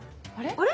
あれ？